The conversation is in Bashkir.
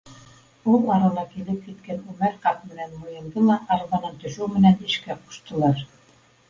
Ул арала килеп еткән Үмәр ҡарт менән Муйылды ла арбанан төшөү менән эшкә ҡуштылар.